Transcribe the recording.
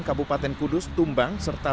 kabupaten kudus tumbang serta